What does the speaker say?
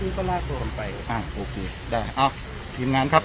นี่ก็น่ากลัวกันไปอ่าโอเคได้เอ้าทีมงานครับ